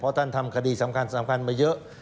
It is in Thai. เพราะท่านทำคดีสำคัญสำคัญมาเยอะ